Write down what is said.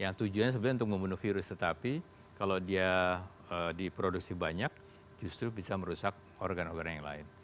yang tujuannya sebenarnya untuk membunuh virus tetapi kalau dia diproduksi banyak justru bisa merusak organ organ yang lain